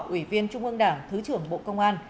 ủy viên trung ương đảng thứ trưởng bộ công an